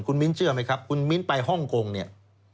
คุณมิ้นเชื่อไหมครับคุณมิ้นไปฮ่องกงเนี่ย